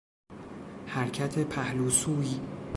حرکت پهلو سوی